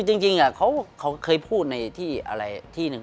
ใช่จริงเขาเคยพูดในที่หนึ่ง